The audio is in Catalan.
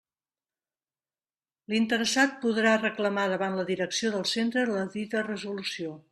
L'interessat podrà reclamar davant de la direcció del centre la dita resolució.